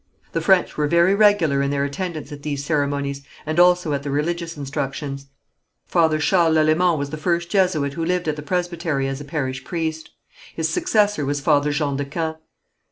The French were very regular in their attendance at these ceremonies, and also at the religious instructions. Father Charles Lalemant was the first Jesuit who lived at the presbytery as a parish priest. His successor was Father Jean de Quen.